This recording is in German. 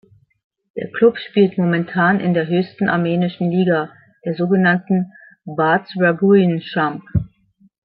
Der Club spielt momentan in der höchsten armenischen Liga, der so genannten Bardsragujn chumb.